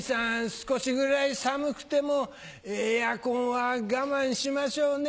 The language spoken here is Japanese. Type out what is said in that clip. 少しぐらい寒くてもエアコンは我慢しましょうね。